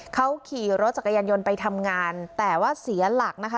เขาขี่รถจักรยานยนต์ไปทำงานแต่ว่าเสียหลักนะคะ